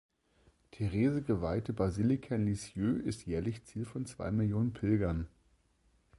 Therese geweihte Basilika in Lisieux ist jährlich Ziel von zwei Millionen Pilgern.